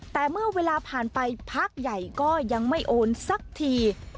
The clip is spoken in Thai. แต่เมื่อเวลาผ่านไปพักใหญ่ก็ยังไม่โอนสักที